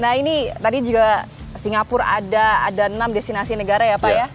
nah ini tadi juga singapura ada enam destinasi negara ya pak ya